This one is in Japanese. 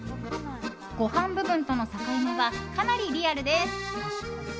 ご飯部分との境目はかなりリアルです。